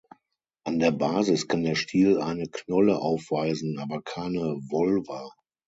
An der Basis kann der Stiel eine Knolle aufweisen, aber keine Volva.